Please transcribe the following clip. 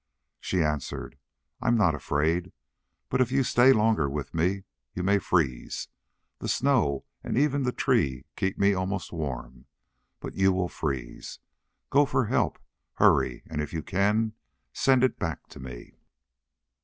She answered: "I'm not afraid. But if you stay longer with me, you may freeze. The snow and even the tree help to keep me almost warm; but you will freeze. Go for help; hurry, and if you can, send it back to me."